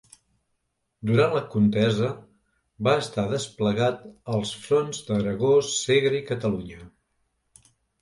Durant la contesa va estar desplegat als fronts d'Aragó, Segre i Catalunya.